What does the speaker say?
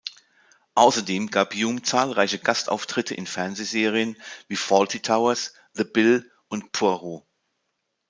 Außerdem gab Hume zahlreiche Gastauftritte in Fernsehserien wie "Fawlty Towers", "The Bill" und "Poirot".